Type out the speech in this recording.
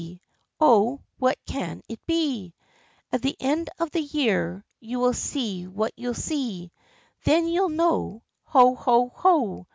Oh, what can it be I At the end of the year You will see what you'll see Then you'll know ! Ho ! ho ! ho!